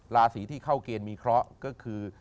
ราศีที่เข้าเกณฑ์มีเคราะห์ก็คือ